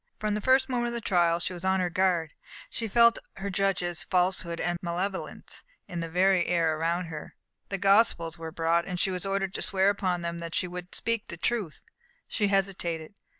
From the first moment of the trial she was on her guard. She felt her judges' falsehood and malevolence in the very air around her. The Gospels were brought, and she was ordered to swear upon them that she would speak the truth. She hesitated.